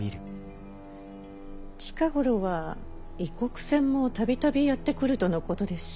近頃は異国船も度々やって来るとのことですし。